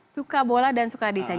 suka bola dan suka desain